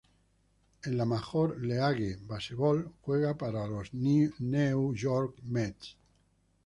En la Major League Baseball juega para los New York Mets.